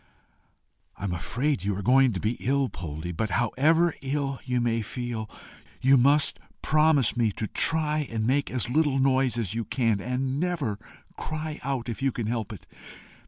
"I am afraid you are going to be ill, Poldie; but, however ill you may feel, you must promise me to try and make as little noise as you can, and never cry out if you can help it.